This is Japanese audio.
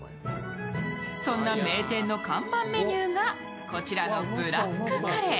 そんな名店の看板メニューが、こちらのブラックカレー。